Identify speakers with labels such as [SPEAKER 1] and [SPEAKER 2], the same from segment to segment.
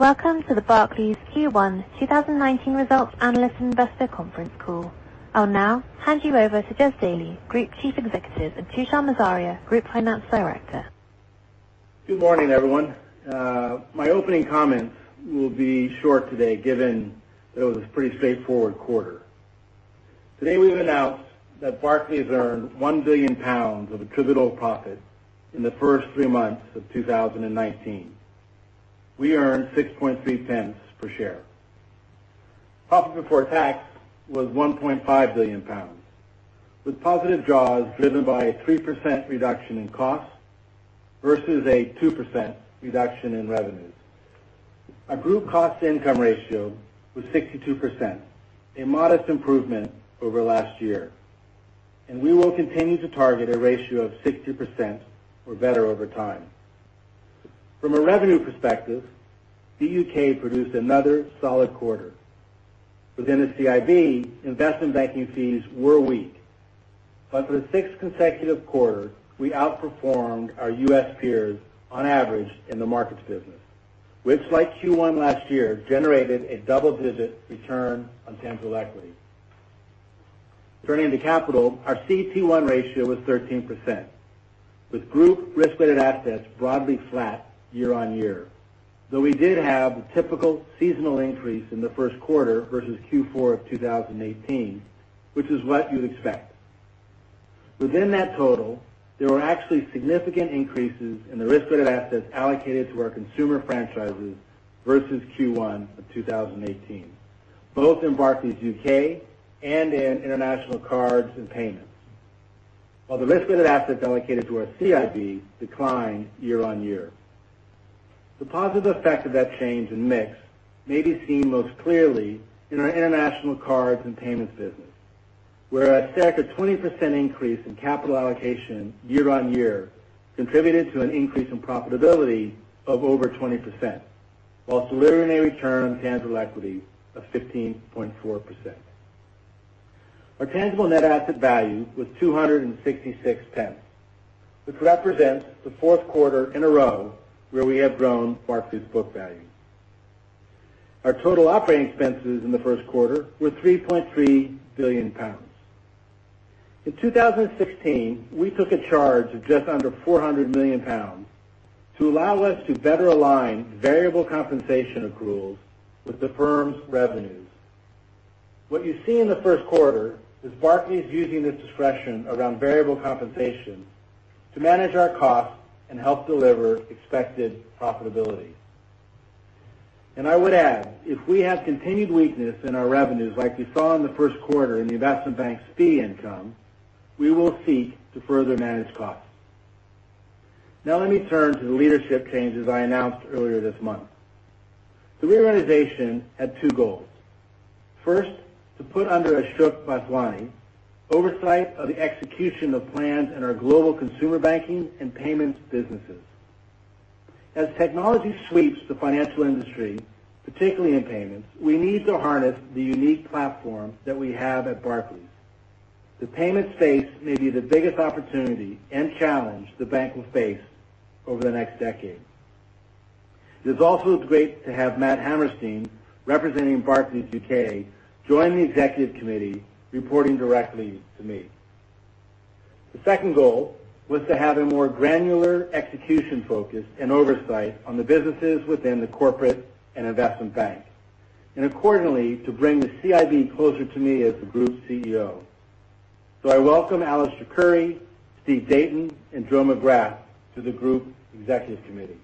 [SPEAKER 1] Welcome to the Barclays Q1 2019 Results Analyst Investor Conference Call. I will now hand you over to Jes Staley, Group Chief Executive, and Tushar Morzaria, Group Finance Director.
[SPEAKER 2] Good morning, everyone. My opening comments will be short today given that it was a pretty straightforward quarter. Today we have announced that Barclays earned 1 billion pounds of attributable profit in the first three months of 2019. We earned 0.063 per share. Profit before tax was 1.5 billion pounds, with positive Jaws driven by a 3% reduction in cost versus a 2% reduction in revenues. Our group cost-to-income ratio was 62%, a modest improvement over last year. We will continue to target a ratio of 60% or better over time. From a revenue perspective, the U.K. produced another solid quarter. Within the CIB, investment banking fees were weak. For the sixth consecutive quarter, we outperformed our U.S. peers on average in the markets business, which like Q1 last year, generated a double-digit return on tangible equity. Turning to capital, our CET1 ratio was 13%, with group risk-weighted assets broadly flat year-over-year. Though we did have the typical seasonal increase in the first quarter versus Q4 of 2018, which is what you would expect. Within that total, there were actually significant increases in the risk-weighted assets allocated to our consumer franchises versus Q1 of 2018, both in Barclays U.K. and in international cards and payments. While the risk-weighted assets allocated to our CIB declined year-over-year. The positive effect of that change in mix may be seen most clearly in our international cards and payments business, where a stack of 20% increase in capital allocation year-over-year contributed to an increase in profitability of over 20%, whilst delivering a return on tangible equity of 15.4%. Our tangible net asset value was 2.66, which represents the fourth quarter in a row where we have grown Barclays book value. Our total operating expenses in the first quarter were 3.3 billion pounds. In 2016, we took a charge of just under 400 million pounds to allow us to better align variable compensation accruals with the firm's revenues. What you see in the first quarter is Barclays using its discretion around variable compensation to manage our costs and help deliver expected profitability. I would add, if we have continued weakness in our revenues like we saw in the first quarter in the investment bank's fee income, we will seek to further manage costs. Now let me turn to the leadership changes I announced earlier this month. The reorganization had two goals. First, to put under Ashok Vaswani oversight of the execution of plans in our global Consumer Banking & Payments businesses. As technology sweeps the financial industry, particularly in payments, we need to harness the unique platform that we have at Barclays. The payment space may be the biggest opportunity and challenge the bank will face over the next decade. It is also great to have Matt Hammerstein, representing Barclays UK, join the Group Executive Committee, reporting directly to me. The second goal was to have a more granular execution focus and oversight on the businesses within the Corporate and Investment Bank, and accordingly, to bring the CIB closer to me as the Group CEO. I welcome Alistair Currie, Stephen Dainton, and Joe McGrath to the Group Executive Committee.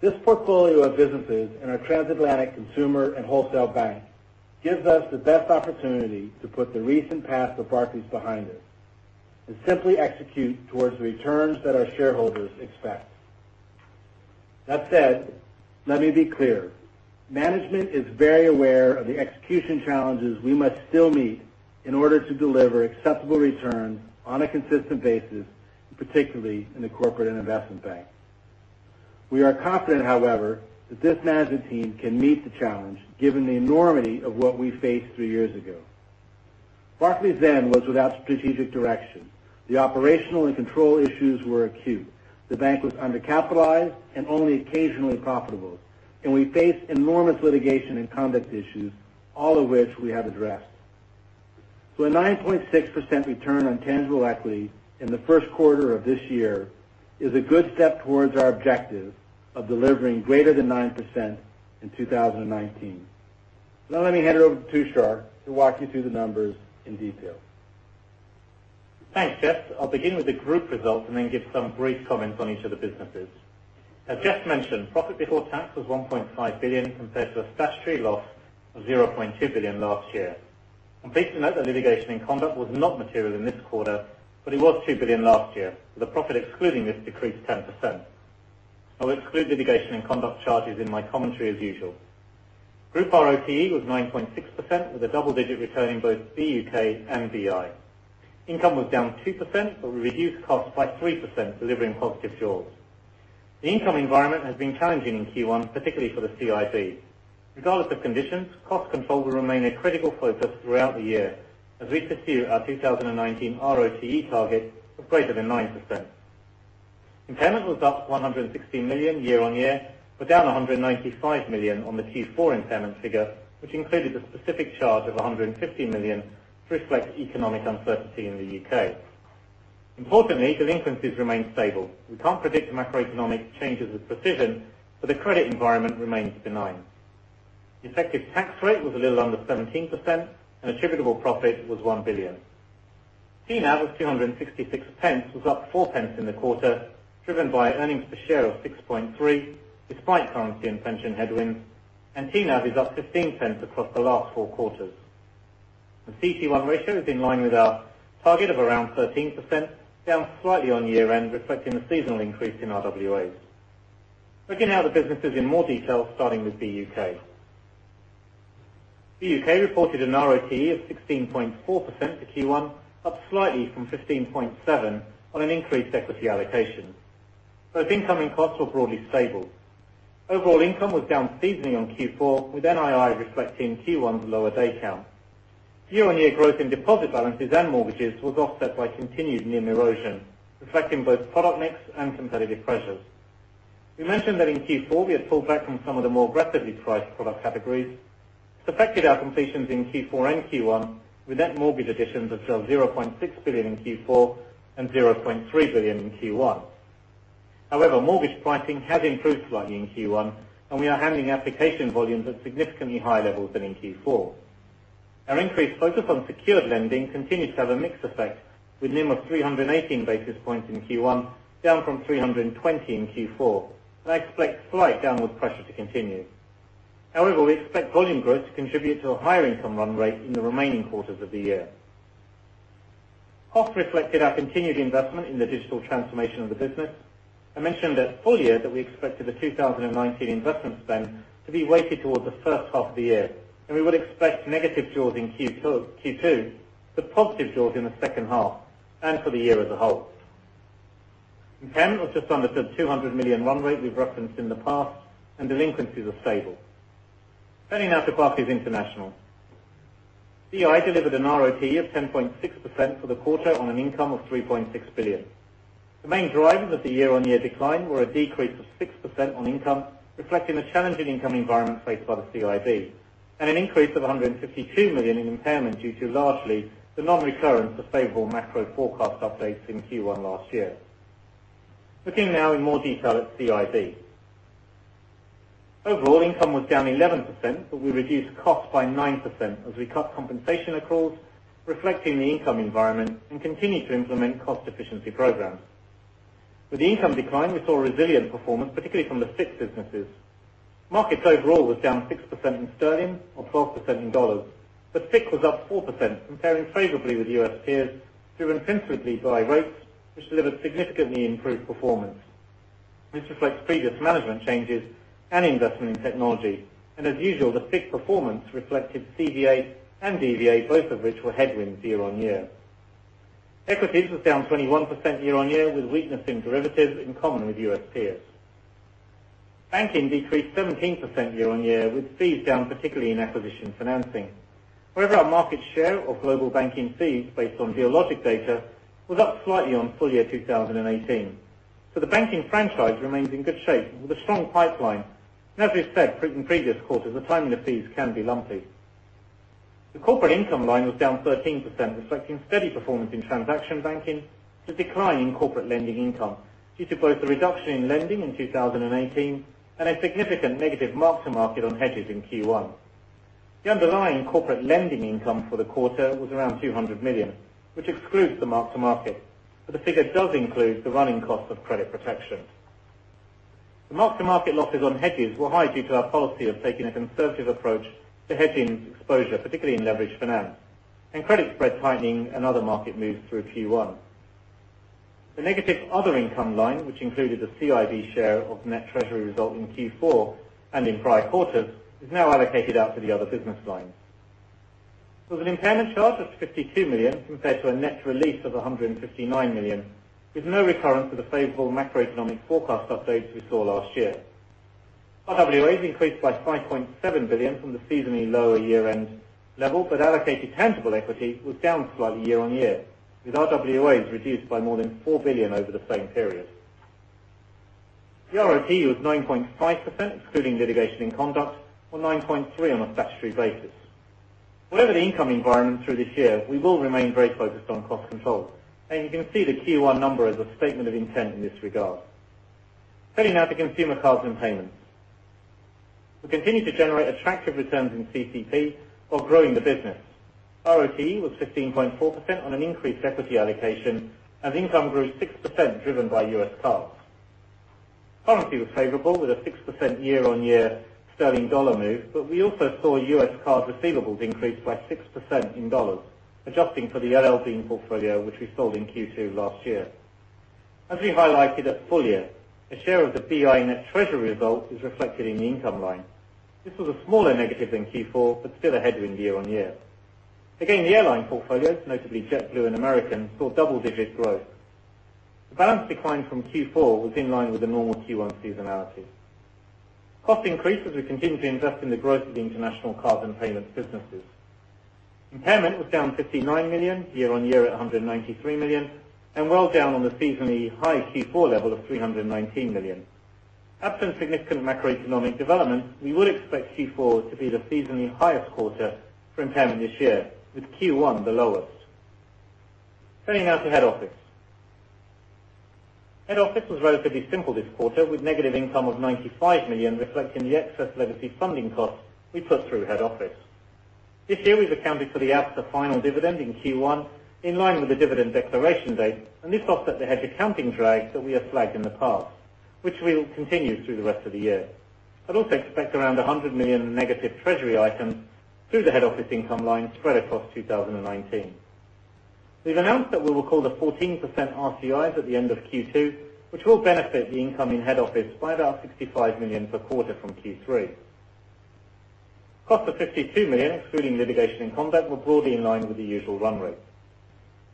[SPEAKER 2] This portfolio of businesses in our transatlantic consumer and wholesale bank gives us the best opportunity to put the recent past of Barclays behind us and simply execute towards the returns that our shareholders expect. That said, let me be clear, management is very aware of the execution challenges we must still meet in order to deliver acceptable returns on a consistent basis, particularly in the Corporate and Investment Bank. We are confident, however, that this management team can meet the challenge given the enormity of what we faced three years ago. Barclays then was without strategic direction. The operational and control issues were acute. The bank was undercapitalized and only occasionally profitable, and we faced enormous litigation and conduct issues, all of which we have addressed. A 9.6% Return on Tangible Equity in the first quarter of this year is a good step towards our objective of delivering greater than 9% in 2019. Now let me hand it over to Tushar to walk you through the numbers in detail.
[SPEAKER 3] Thanks, Jes. I'll begin with the group results and then give some brief comments on each of the businesses. As Jes mentioned, Profit Before Tax was 1.5 billion compared to the statutory loss of 0.2 billion last year. I'm pleased to note that litigation and conduct was not material in this quarter, but it was 2 billion last year, with a profit excluding this decreased 10%. I'll exclude litigation and conduct charges in my commentary as usual. Group RoTE was 9.6% with a double-digit return in both the U.K. and CIB. Income was down 2%, but we reduced costs by 3%, delivering positive JAWs. The income environment has been challenging in Q1, particularly for the CIB. Regardless of conditions, cost control will remain a critical focus throughout the year as we pursue our 2019 RoTE target of greater than 9%. Impairment was up 116 million year-on-year, but down 195 million on the Q4 impairment figure, which included a specific charge of 150 million to reflect economic uncertainty in the U.K. Importantly, delinquencies remain stable. We can't predict macroeconomic changes with precision, but the credit environment remains benign. The effective tax rate was a little under 17%, and attributable profit was 1 billion. TNAB of 2.66 was up 0.04 in the quarter, driven by earnings per share of 6.3, despite currency and pension headwinds, and TNAB is up 0.15 across the last four quarters. The CET1 ratio is in line with our target of around 13%, down slightly on year end, reflecting the seasonal increase in RWAs. Looking now at the businesses in more detail, starting with the U.K. The U.K. reported an RoTE of 16.4% for Q1, up slightly from 15.7% on an increased equity allocation. Both incoming costs were broadly stable. Overall income was down seasonally on Q4, with NII reflecting Q1's lower day count. Year-on-year growth in deposit balances and mortgages was offset by continued NIM erosion, affecting both product mix and competitive pressures. We mentioned that in Q4, we had pulled back from some of the more aggressively priced product categories. This affected our completions in Q4 and Q1 with net mortgage additions of just 0.6 billion in Q4 and 0.3 billion in Q1. However, mortgage pricing has improved slightly in Q1, and we are handling application volumes at significantly higher levels than in Q4. Our increased focus on secured lending continues to have a mixed effect, with NIM of 318 basis points in Q1, down from 320 basis points in Q4. I expect slight downward pressure to continue. However, we expect volume growth to contribute to a higher income run rate in the remaining quarters of the year. Cost reflected our continued investment in the digital transformation of the business. I mentioned at full year that we expected the 2019 investment spend to be weighted towards the first half of the year, and we would expect negative jaws in Q2, but positive jaws in the second half and for the year as a whole. Impairment was just under 200 million run rate we've referenced in the past, and delinquencies are stable. Turning now to Barclays International. BI delivered an ROE of 10.6% for the quarter on an income of 3.6 billion. The main drivers of the year-on-year decline were a decrease of 6% on income, reflecting the challenging income environment faced by the CIB, and an increase of 152 million in impairment due to largely the non-recurrence of favorable macro forecast updates in Q1 last year. Looking now in more detail at CIB. Overall income was down 11%. We reduced costs by 9% as we cut compensation across, reflecting the income environment, and continued to implement cost efficiency programs. With the income decline, we saw a resilient performance, particularly from the FICC businesses. Markets overall was down 6% in GBP or 12% in USD, but FICC was up 4% comparing favorably with U.S. peers through intrinsically high rates, which delivered significantly improved performance. This reflects previous management changes and investment in technology. As usual, the FICC performance reflected CVA and DVA, both of which were headwinds year-on-year. Equities was down 21% year-on-year, with weakness in derivatives in common with U.S. peers. Banking decreased 17% year-on-year, with fees down particularly in acquisition financing. However, our market share of global banking fees, based on Dealogic data, was up slightly on full year 2018. The banking franchise remains in good shape with a strong pipeline. As we've said in previous quarters, the timing of fees can be lumpy. The corporate income line was down 13%, reflecting steady performance in transaction banking, the decline in corporate lending income due to both the reduction in lending in 2018 and a significant negative mark-to-market on hedges in Q1. The underlying corporate lending income for the quarter was around 200 million, which excludes the mark-to-market. The figure does include the running cost of credit protection. The mark-to-market losses on hedges were high due to our policy of taking a conservative approach to hedging exposure, particularly in leveraged finance, and credit spread tightening and other market moves through Q1. The negative other income line, which included the CIB share of net treasury result in Q4 and in prior quarters, is now allocated out to the other business lines. There was an impairment charge of 52 million compared to a net release of 159 million, with no recurrence of the favorable macroeconomic forecast updates we saw last year. RWAs increased by 5.7 billion from the seasonally lower year-end level, but allocated tangible equity was down slightly year-on-year, with RWAs reduced by more than 4 billion over the same period. The RoTE was 9.5%, excluding litigation and conduct, or 9.3% on a statutory basis. Whatever the income environment through this year, we will remain very focused on cost control, and you can see the Q1 number as a statement of intent in this regard. Turning now to Consumer, Cards and Payments. We continue to generate attractive returns in CCP while growing the business. RoTE was 15.4% on an increased equity allocation, and income grew 6%, driven by U.S. cards. Currency was favorable with a 6% year-on-year sterling dollar move, but we also saw U.S. card receivables increase by 6% in dollars, adjusting for the airline portfolio, which we sold in Q2 last year. As we highlighted at full year, a share of the BI net treasury result is reflected in the income line. This was a smaller negative than Q4, but still a headwind year-on-year. Again, the airline portfolios, notably JetBlue and American, saw double-digit growth. The balance decline from Q4 was in line with the normal Q1 seasonality. Cost increase, as we continue to invest in the growth of the international cards and payments businesses. Impairment was down 59 million, year-on-year at 193 million, and well down on the seasonally high Q4 level of 319 million. Absent significant macroeconomic development, we would expect Q4 to be the seasonally highest quarter for impairment this year, with Q1 the lowest. Turning now to head office. Head office was relatively simple this quarter, with negative income of 95 million, reflecting the excess legacy funding costs we put through head office. This year, we've accounted for the absent final dividend in Q1, in line with the dividend declaration date. This offset the hedge accounting drag that we have flagged in the past, which will continue through the rest of the year. I'd also expect around 100 million negative treasury items through the head office income line spread across 2019. We've announced that we will call the 14% RCIs at the end of Q2, which will benefit the income in head office by about 65 million per quarter from Q3. Cost of 52 million, excluding litigation and conduct, were broadly in line with the usual run rate.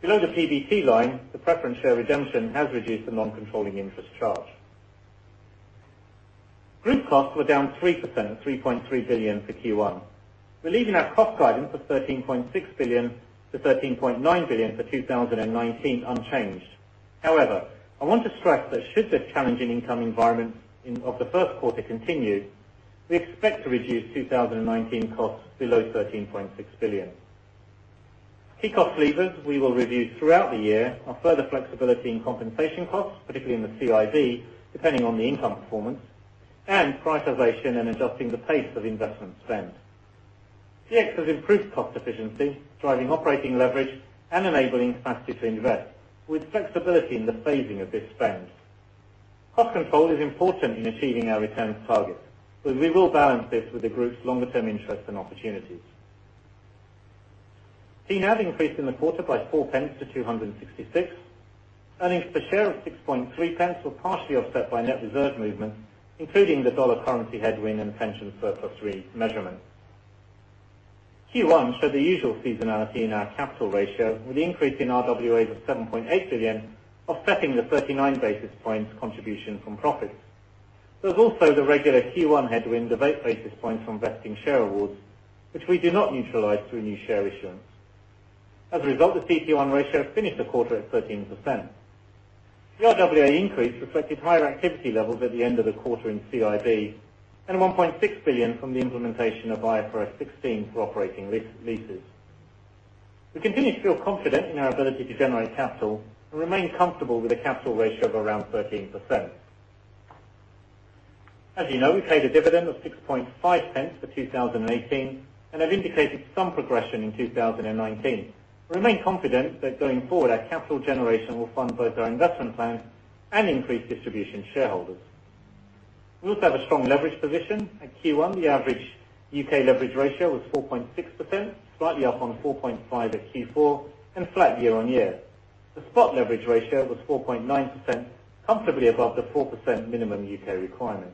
[SPEAKER 3] Below the PBT line, the preference share redemption has reduced the non-controlling interest charge. Group costs were down 3%, 3.3 billion for Q1. We're leaving our cost guidance of 13.6 billion-13.9 billion for 2019 unchanged. I want to stress that should the challenging income environment of the first quarter continue, we expect to reduce 2019 costs below 13.6 billion. Key cost levers we will review throughout the year are further flexibility in compensation costs, particularly in the CIB, depending on the income performance, and prioritization and adjusting the pace of investment spend. CX has improved cost efficiency, driving operating leverage and enabling capacity to invest, with flexibility in the phasing of this spend. Cost control is important in achieving our returns targets. We will balance this with the group's longer term interests and opportunities. TNAB increased in the quarter by 0.04 to 2.66. Earnings per share of 0.063 were partially offset by net reserve movements, including the U.S. dollar currency headwind and pension surplus re-measurement. Q1 showed the usual seasonality in our capital ratio, with the increase in RWAs of 7.8 billion offsetting the 39 basis points contribution from profits. There was also the regular Q1 headwind of eight basis points from vesting share awards, which we do not neutralize through new share issuance. As a result, the CET1 ratio finished the quarter at 13%. The RWA increase reflected higher activity levels at the end of the quarter in CIB and 1.6 billion from the implementation of IFRS 16 for operating leases. We continue to feel confident in our ability to generate capital and remain comfortable with a capital ratio of around 13%. As you know, we paid a dividend of 0.065 for 2018 and have indicated some progression in 2019. We remain confident that going forward, our capital generation will fund both our investment plans and increase distribution to shareholders. We also have a strong leverage position. At Q1, the average U.K. leverage ratio was 4.6%, slightly up on 4.5% at Q4, and flat year-on-year. The spot leverage ratio was 4.9%, comfortably above the 4% minimum U.K. requirement.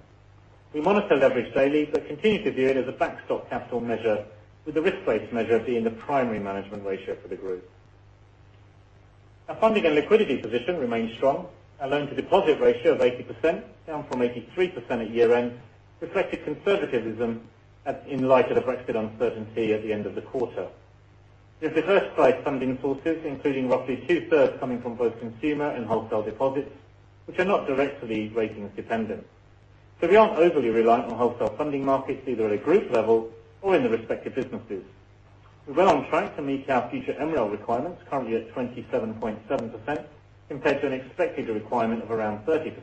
[SPEAKER 3] We monitor leverage daily. We continue to view it as a backstop capital measure with the risk-based measure being the primary management ratio for the group. Our funding and liquidity position remains strong. Our loan to deposit ratio of 80%, down from 83% at year-end, reflected conservatism in light of the Brexit uncertainty at the end of the quarter. We have diverse trade funding sources, including roughly two-thirds coming from both consumer and wholesale deposits, which are not directly ratings dependent. We aren't overly reliant on wholesale funding markets, either at a group level or in the respective businesses. We are well on track to meet our future MREL requirements, currently at 27.7%, compared to an expected requirement of around 30%.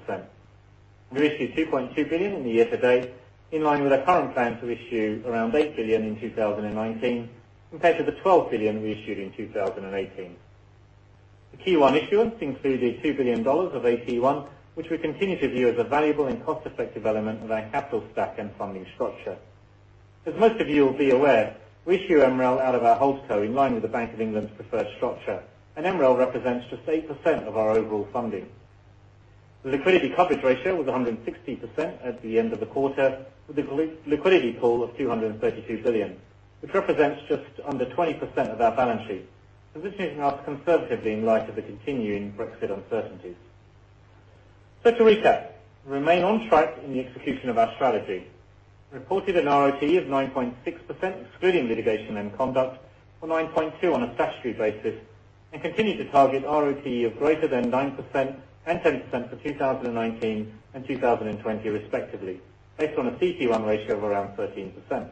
[SPEAKER 3] We issued 2.2 billion in the year to date, in line with our current plan to issue around 8 billion in 2019, compared to the 12 billion we issued in 2018. The Q1 issuance included $2 billion of AT1, which we continue to view as a valuable and cost-effective element of our capital stack and funding structure. As most of you will be aware, we issue MREL out of our Holdco in line with the Bank of England's preferred structure, and MREL represents just 8% of our overall funding. The liquidity coverage ratio was 160% at the end of the quarter, with a liquidity pool of 232 billion, which represents just under 20% of our balance sheet, positioning us conservatively in light of the continuing Brexit uncertainties. To recap, we remain on track in the execution of our strategy. We reported an RoTE of 9.6%, excluding litigation and conduct, or 9.2% on a statutory basis, and continue to target RoTE of greater than 9% and 10% for 2019 and 2020 respectively, based on a CET1 ratio of around 13%. We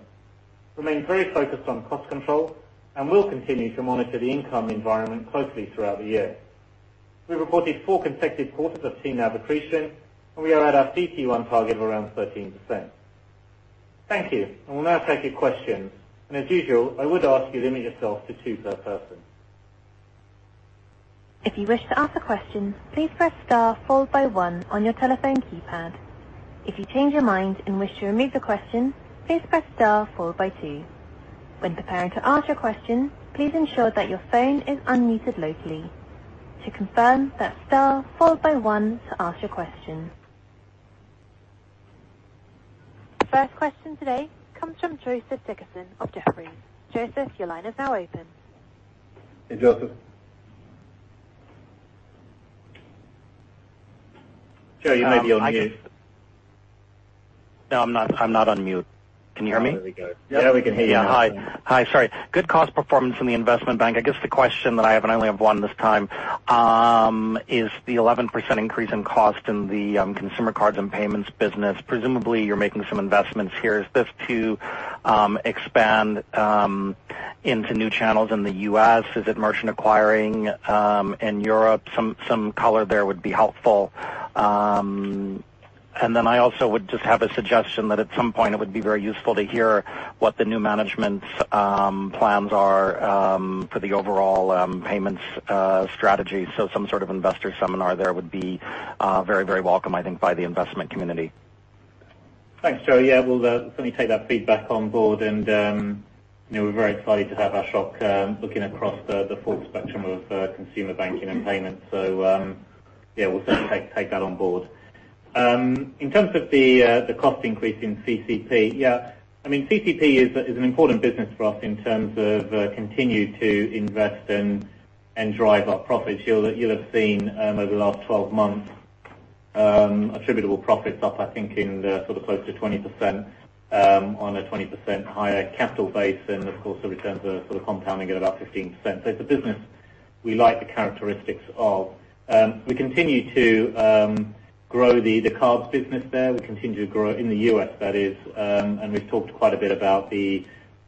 [SPEAKER 3] remain very focused on cost control and will continue to monitor the income environment closely throughout the year. We reported four consecutive quarters of TNAB accretion, and we are at our CET1 target of around 13%. Thank you. I will now take your questions, and as usual, I would ask you limit yourself to two per person.
[SPEAKER 1] If you wish to ask a question, please press star followed by one on your telephone keypad. If you change your mind and wish to remove the question, please press star followed by two. When preparing to ask your question, please ensure that your phone is unmuted locally. To confirm, press star followed by one to ask your question. First question today comes from Joseph Dickerson of Jefferies. Joseph, your line is now open.
[SPEAKER 3] Hey, Joseph. Joe, you may be on mute.
[SPEAKER 4] No, I'm not on mute. Can you hear me?
[SPEAKER 3] Oh, there we go. Yeah, we can hear you now.
[SPEAKER 4] Yeah. Hi. Sorry. Good cost performance from the investment bank. I guess the question that I have, and I only have one this time, is the 11% increase in cost in the Consumer, Cards and Payments business. Presumably, you're making some investments here. Is this to expand into new channels in the U.S.? Is it merchant acquiring in Europe? Some color there would be helpful. I also would just have a suggestion that at some point it would be very useful to hear what the new management's plans are for the overall payments strategy. Some sort of investor seminar there would be very, very welcome, I think, by the investment community.
[SPEAKER 3] Thanks, Joe. Yeah, we'll certainly take that feedback on board. We're very excited to have Ashok looking across the full spectrum of consumer banking and payments. Yeah, we'll certainly take that on board. In terms of the cost increase in CC&P. Yeah. CC&P is an important business for us in terms of continue to invest in and drive our profits. You'll have seen over the last 12 months attributable profits up, I think, close to 20% on a 20% higher capital base. The returns are compounding at about 15%. It's a business we like the characteristics of. We continue to grow the cards business there. We continue to grow in the U.S., that is, and we've talked quite a bit about the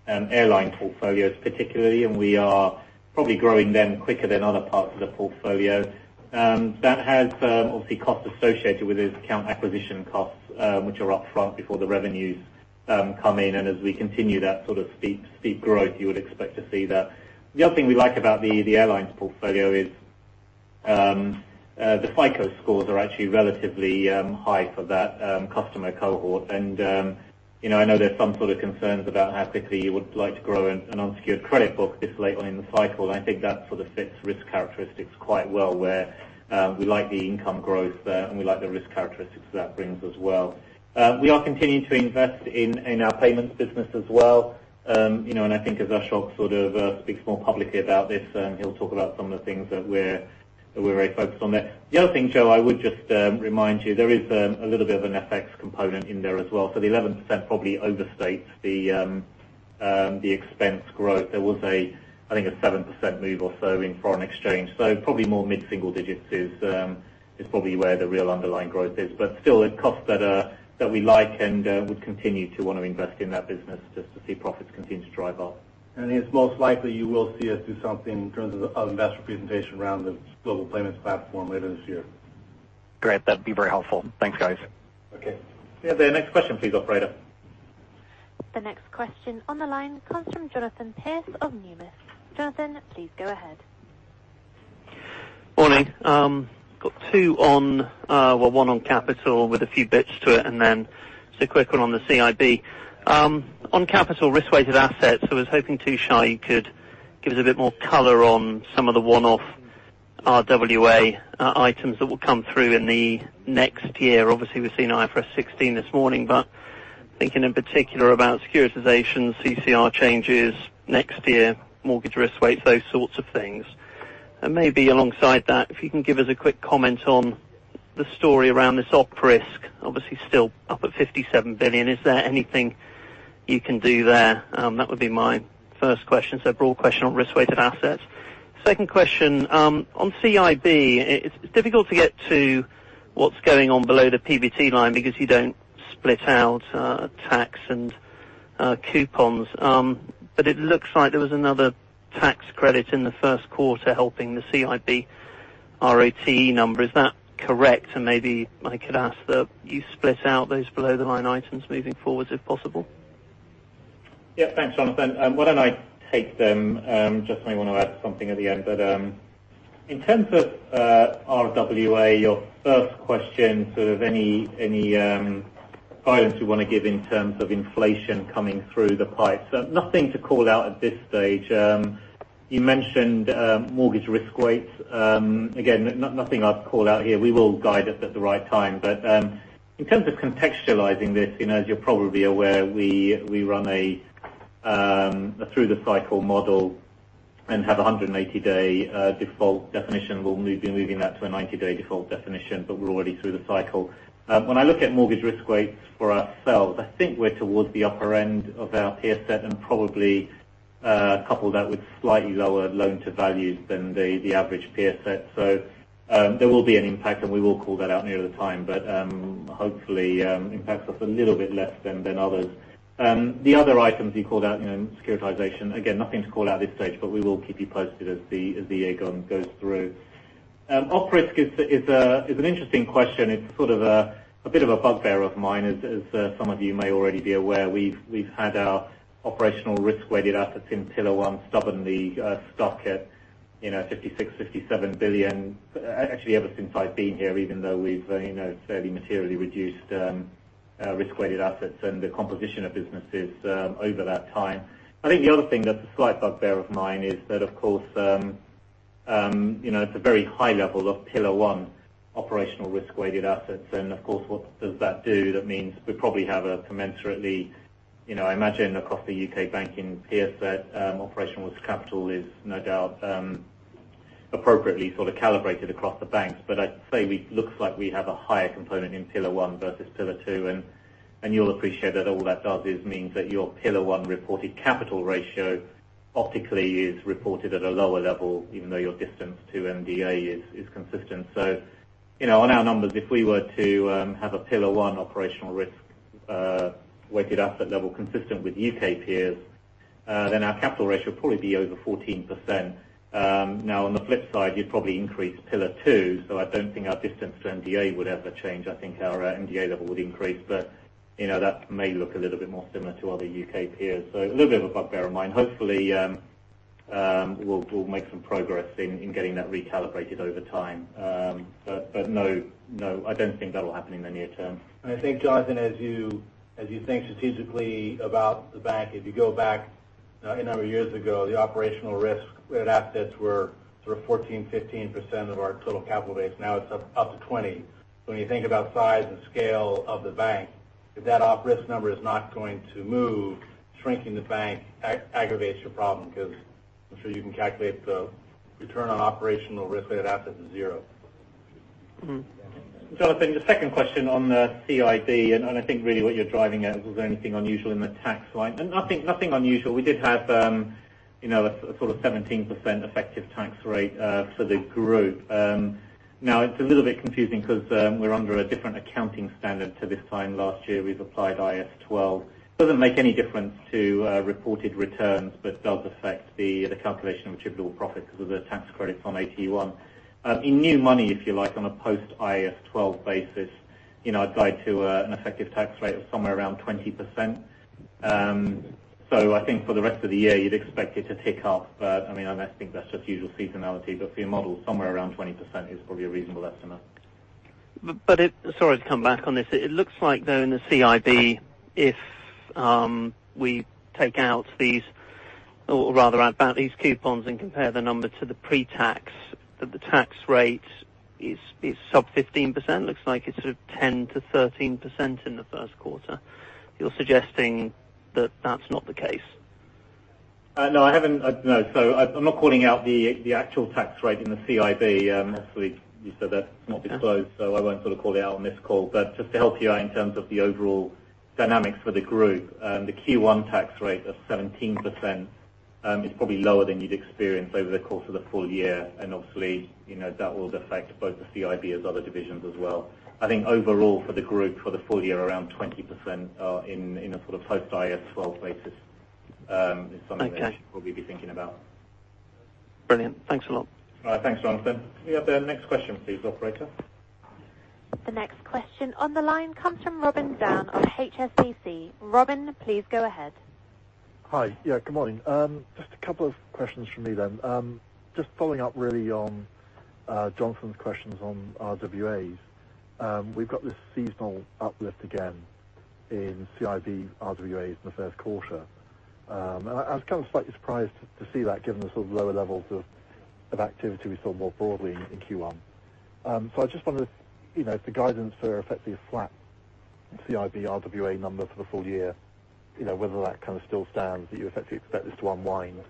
[SPEAKER 3] airline portfolios particularly, and we are probably growing them quicker than other parts of the portfolio. That has obviously costs associated with it, account acquisition costs, which are upfront before the revenues come in. As we continue that sort of steep growth, you would expect to see that. The other thing we like about the airlines portfolio is the FICO scores are actually relatively high for that customer cohort. I know there's some sort of concerns about how quickly you would like to grow an unsecured credit book this late on in the cycle. I think that sort of fits risk characteristics quite well, where we like the income growth there, and we like the risk characteristics that brings as well. We are continuing to invest in our payments business as well. I think as Ashok speaks more publicly about this, he'll talk about some of the things that we're very focused on there. The other thing, Joe, I would just remind you, there is a little bit of an FX component in there as well. The 11% probably overstates the expense growth. There was, I think, a 7% move or so in foreign exchange. Probably more mid-single digits is probably where the real underlying growth is. Still, it costs better that we like and would continue to want to invest in that business just to see profits continue to drive up.
[SPEAKER 2] It's most likely you will see us do something in terms of investor presentation around the global payments platform later this year.
[SPEAKER 4] Great. That'd be very helpful. Thanks, guys.
[SPEAKER 3] Okay. Yeah. The next question, please, operator.
[SPEAKER 1] The next question on the line comes from Jonathan Pierce of Numis. Jonathan, please go ahead.
[SPEAKER 5] Morning. Got two on Well, one on capital with a few bits to it. Then just a quick one on the CIB. On capital risk-weighted assets, I was hoping, Tushar, you could give us a bit more color on some of the one-off RWA items that will come through in the next year. Obviously, we've seen IFRS 16 this morning. Thinking in particular about securitization, CCR changes next year, mortgage risk weights, those sorts of things. Maybe alongside that, if you can give us a quick comment on the story around this op risk. Obviously still up at 57 billion. Is there anything you can do there? That would be my first question. Broad question on risk-weighted assets. Second question. CIB, it's difficult to get to what's going on below the PBT line because you don't split out tax and coupons, but it looks like there was another tax credit in the first quarter helping the CIB ROT number. Is that correct? Maybe I could ask that you split out those below the line items moving forward, if possible.
[SPEAKER 3] Yeah. Thanks, Jonathan. Why don't I take them? Jes may want to add something at the end. In terms of RWAs, your first question, sort of any guidance you want to give in terms of inflation coming through the pipe. Nothing to call out at this stage. You mentioned mortgage risk weights. Again, nothing I'd call out here. We will guide it at the right time. In terms of contextualizing this, as you're probably aware, we run a through the cycle model and have a 180-day default definition. We'll be moving that to a 90-day default definition, but we're already through the cycle. When I look at mortgage risk weights for ourselves, I think we're towards the upper end of our peer set and probably couple that with slightly lower loan to values than the average peer set. There will be an impact, and we will call that out near the time, but hopefully impacts us a little bit less than others. The other items you called out, securitization. Again, nothing to call out at this stage, but we will keep you posted as the year goes through. Op risk is an interesting question. It's a bit of a bugbear of mine, as some of you may already be aware. We've had our operational risk-weighted assets since Pillar 1 stubbornly stuck at 56 billion, 57 billion actually ever since I've been here, even though we've fairly materially reduced risk-weighted assets and the composition of businesses over that time. I think the other thing that's a slight bugbear of mine is that, of course. It's a very high level of Pillar 1 operational risk weighted assets. Of course, what does that do? That means we probably have a commensurately, I imagine across the U.K. banking peer set, operational risk capital is no doubt appropriately sort of calibrated across the banks. I'd say it looks like we have a higher component in Pillar 1 versus Pillar 2, and you'll appreciate that all that does is means that your Pillar 1 reported capital ratio optically is reported at a lower level, even though your distance to MDA is consistent. On our numbers, if we were to have a Pillar 1 operational risk weighted asset level consistent with U.K. peers, then our capital ratio would probably be over 14%. Now, on the flip side, you'd probably increase Pillar 2, so I don't think our distance to MDA would ever change. I think our MDA level would increase, but that may look a little bit more similar to other U.K. peers. A little bit of a bear in mind. Hopefully, we'll make some progress in getting that recalibrated over time. No, I don't think that'll happen in the near term.
[SPEAKER 2] I think, Jonathan, as you think strategically about the bank, if you go back a number of years ago, the operational Risk-Weighted Assets were sort of 14%, 15% of our total capital base. Now it's up to 20%. When you think about size and scale of the bank, if that op risk number is not going to move, shrinking the bank aggravates your problem because I'm sure you can calculate the return on operational Risk-Weighted Assets is zero.
[SPEAKER 3] Jonathan, the second question on the CIB, and I think really what you're driving at, is there anything unusual in the tax line? Nothing unusual. We did have a sort of 17% effective tax rate for the group. Now it's a little bit confusing because we're under a different accounting standard to this time last year. We've applied IAS 12. Doesn't make any difference to reported returns, but does affect the calculation of attributable profits because of the tax credits on AT1. In new money, if you like, on a post IAS 12 basis, I'd guide to an effective tax rate of somewhere around 20%. I think for the rest of the year, you'd expect it to tick up. I think that's just usual seasonality, but for your model, somewhere around 20% is probably a reasonable estimate. Sorry to come back on this.
[SPEAKER 5] It looks like though in the CIB, if we take out these, or rather add back these coupons and compare the number to the pre-tax, that the tax rate is sub 15%. Looks like it's sort of 10%-13% in the first quarter. You're suggesting that that's not the case.
[SPEAKER 3] No, I haven't. No. I'm not calling out the actual tax rate in the CIB. Obviously, you said that's not disclosed, so I won't sort of call it out on this call. Just to help you out in terms of the overall dynamics for the group, the Q1 tax rate of 17% is probably lower than you'd experience over the course of the full year, and obviously, that will affect both the CIBs, other divisions as well. I think overall for the group, for the full year, around 20% are in a sort of post IAS 12 basis, is something that you should probably be thinking about.
[SPEAKER 5] Okay. Brilliant. Thanks a lot.
[SPEAKER 3] All right. Thanks, Jonathan. Can we have the next question please, operator?
[SPEAKER 1] The next question on the line comes from Robin Down on HSBC. Robin, please go ahead.
[SPEAKER 6] Hi. Yeah, good morning. Just a couple of questions from me. Just following up really on Jonathan's questions on RWAs. We've got this seasonal uplift again in CIB RWAs in the first quarter. I was kind of slightly surprised to see that given the sort of lower levels of activity we saw more broadly in Q1. I just wondered if the guidance for effectively a flat CIB RWA number for the full year, whether that kind of still stands, that you effectively expect this to unwind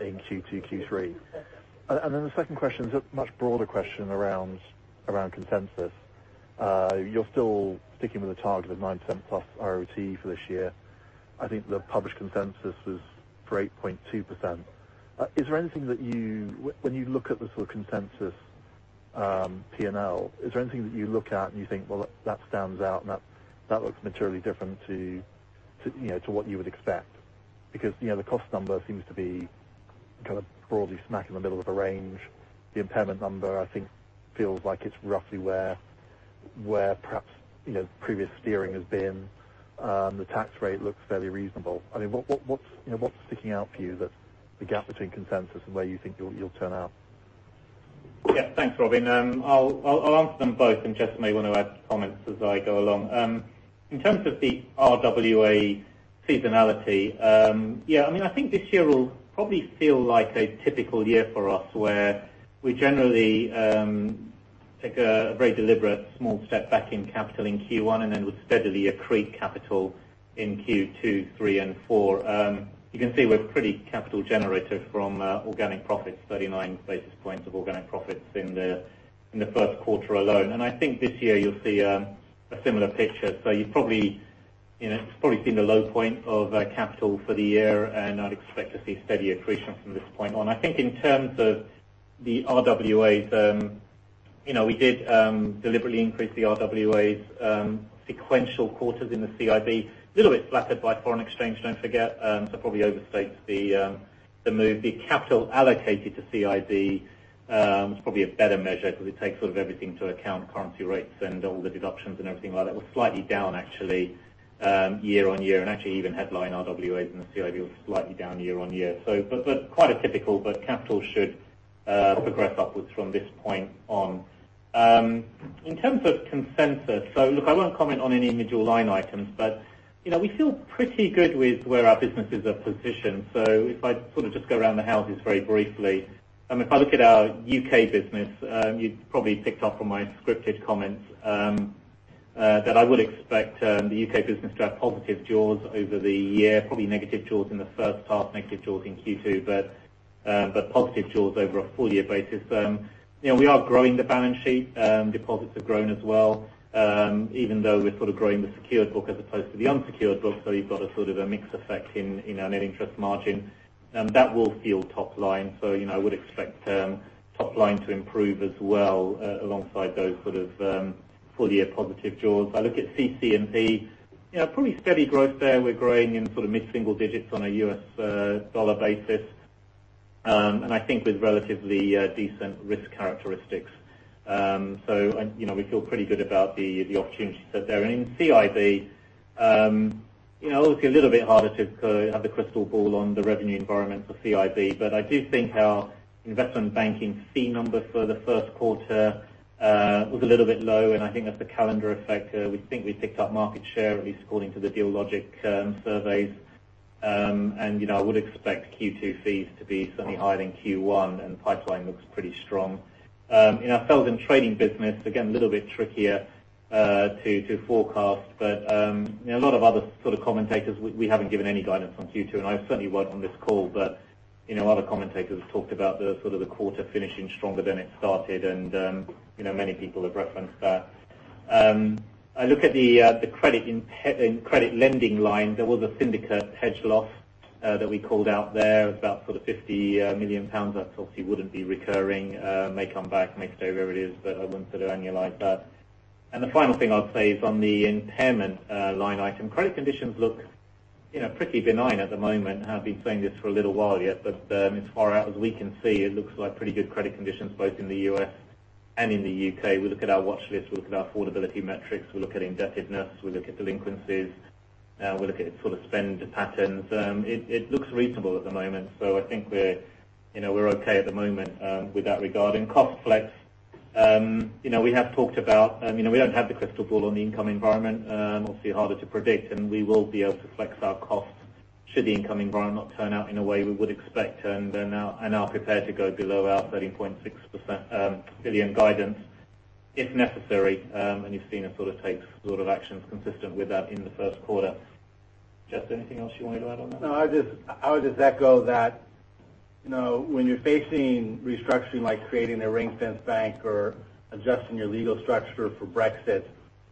[SPEAKER 6] in Q2, Q3. The second question is a much broader question around consensus. You're still sticking with a target of 9% plus RoTE for this year. I think the published consensus was for 8.2%. When you look at the sort of consensus P&L, is there anything that you look at and you think, "Well, that stands out, and that looks materially different to what you would expect." The cost number seems to be kind of broadly smack in the middle of a range. The impairment number, I think, feels like it's roughly where perhaps previous steering has been. The tax rate looks fairly reasonable. What's sticking out for you that the gap between consensus and where you think you'll turn out?
[SPEAKER 3] Thanks, Robin. I'll answer them both. Jes may want to add comments as I go along. In terms of the RWA seasonality, I think this year will probably feel like a typical year for us where we generally take a very deliberate small step back in capital in Q1, then we'll steadily accrete capital in Q2, three, and four. You can see we're pretty capital generative from organic profits, 39 basis points of organic profits in the first quarter alone. I think this year you'll see a similar picture. It's probably been the low point of capital for the year, and I'd expect to see steady accretion from this point on. In terms of the RWAs, we did deliberately increase the RWAs sequential quarters in the CIB. A little bit flattered by foreign exchange, don't forget, so probably overstates the move. The capital allocated to CIB was probably a better measure because it takes sort of everything into account, currency rates and all the deductions and everything like that, was slightly down actually year-on-year, and actually even headline RWAs in the CIB was slightly down year-on-year. Quite atypical, but capital should progress upwards from this point on. In terms of consensus, look, I won't comment on any individual line items, but we feel pretty good with where our businesses are positioned. If I just go around the houses very briefly. If I look at our UK business, you probably picked up from my scripted comments that I would expect the UK business to have positive Jaws over the year, probably negative Jaws in the first half, negative Jaws in Q2, but positive Jaws over a full-year basis. We are growing the balance sheet. Deposits have grown as well, even though we're growing the secured book as opposed to the unsecured book, so you've got a mixed effect in our net interest margin. That will fuel top line. I would expect top line to improve as well alongside those full-year positive Jaws. If I look at CC&P, probably steady growth there. We're growing in mid-single digits on a US dollar basis, and I think with relatively decent risk characteristics. We feel pretty good about the opportunities that are there. In CIB, obviously a little bit harder to have the crystal ball on the revenue environment for CIB, I do think our investment banking fee number for the first quarter was a little bit low. I think that's a calendar effect. We think we picked up market share, at least according to the Dealogic surveys. I would expect Q2 fees to be certainly higher than Q1, and the pipeline looks pretty strong. In our sales and trading business, again, a little bit trickier to forecast. A lot of other commentators, we haven't given any guidance on Q2, and I certainly won't on this call, but other commentators have talked about the quarter finishing stronger than it started, and many people have referenced that. I look at the credit lending line. There was a syndicate hedge loss that we called out there. It was about 50 million pounds. That obviously wouldn't be recurring. It may come back, may stay where it is, but I won't annualize that. The final thing I'll say is on the impairment line item. Credit conditions look pretty benign at the moment. I've been saying this for a little while yet, but as far out as we can see, it looks like pretty good credit conditions both in the U.S. and in the U.K. We look at our watch list, we look at our affordability metrics, we look at indebtedness, we look at delinquencies, we look at spend patterns. It looks reasonable at the moment. I think we're okay at the moment with that regard. Cost flex. We have talked about. We don't have the crystal ball on the income environment. Obviously harder to predict, and we will be able to flex our costs should the income environment not turn out in a way we would expect. Are now prepared to go below our 13.6 billion guidance if necessary, and you've seen us take actions consistent with that in the first quarter. Jes, anything else you want to add on that?
[SPEAKER 2] No. I would just echo that when you're facing restructuring, like creating a ring-fenced bank or adjusting your legal structure for Brexit,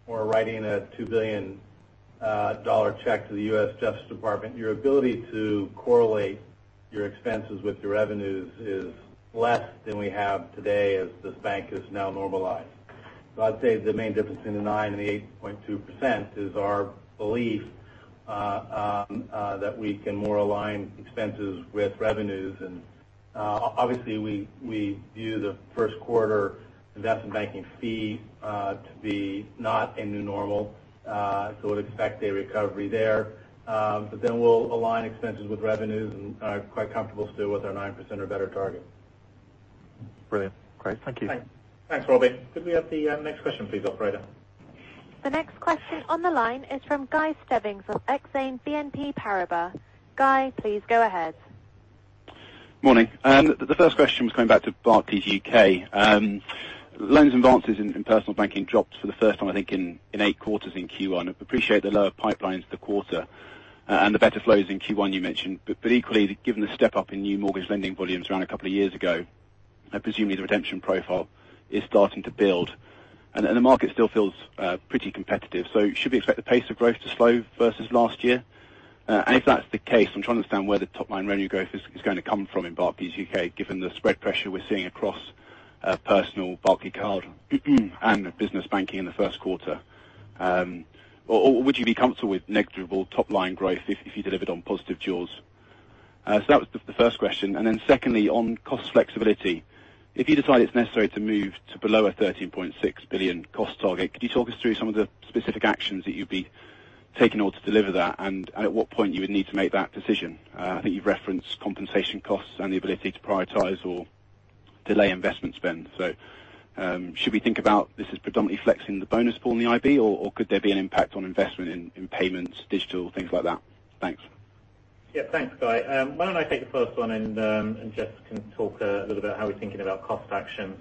[SPEAKER 2] or writing a $2 billion check to the U.S. Department of Justice, your ability to correlate your expenses with your revenues is less than we have today as this bank is now normalized. I'd say the main difference between the 9% and the 8.2% is our belief that we can more align expenses with revenues. Obviously, we view the first quarter investment banking fee to be not a new normal. We'd expect a recovery there. We'll align expenses with revenues and are quite comfortable still with our 9% or better target.
[SPEAKER 6] Brilliant. Great. Thank you.
[SPEAKER 3] Thanks, Robin. Could we have the next question please, operator?
[SPEAKER 1] The next question on the line is from Guy Stebbings of Exane BNP Paribas. Guy, please go ahead.
[SPEAKER 7] Morning. The first question was coming back to Barclays UK. Loans advances in personal banking dropped for the first time, I think, in eight quarters in Q1. I appreciate the lower pipelines for the quarter, and the better flows in Q1 you mentioned. Equally, given the step up in new mortgage lending volumes around a couple of years ago, presumably the retention profile is starting to build. The market still feels pretty competitive. Should we expect the pace of growth to slow versus last year? If that's the case, I'm trying to understand where the top line revenue growth is going to come from in Barclays UK, given the spread pressure we're seeing across personal Barclaycard and business banking in the first quarter. Would you be comfortable with negligible top line growth if you delivered on positive Jaws? That was the first question. Secondly, on cost flexibility. If you decide it's necessary to move to below a 13.6 billion cost target, could you talk us through some of the specific actions that you'd be taking or to deliver that, and at what point you would need to make that decision? I think you've referenced compensation costs and the ability to prioritize or delay investment spend. Should we think about this as predominantly flexing the bonus pool in the IB, or could there be an impact on investment in payments, digital, things like that? Thanks.
[SPEAKER 3] Thanks, Guy. Why don't I take the first one, Jes can talk a little about how we're thinking about cost actions.